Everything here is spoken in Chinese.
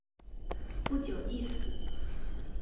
不久亦死。